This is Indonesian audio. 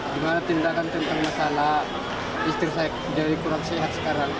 gimana tindakan tentang masalah istri saya jadi kurang sehat sekarang